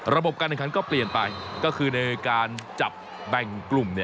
การแข่งขันก็เปลี่ยนไปก็คือในการจับแบ่งกลุ่ม